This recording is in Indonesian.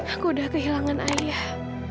aku sudah kehilangan ayah